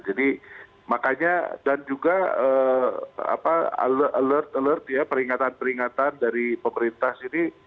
jadi makanya dan juga alert alert ya peringatan peringatan dari pemerintah seiring